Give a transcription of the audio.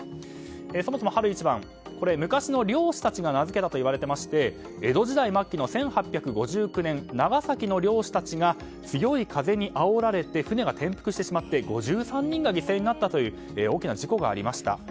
そもそも春一番は昔の漁師たちが名付けたといわれていまして江戸時代末期の１８５９年長崎の漁師たちが強い風にあおられて船が転覆してしまい５３人が犠牲になったという大きな事故がありました。